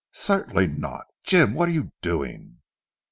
"Certainly not. Jim what are you doing?"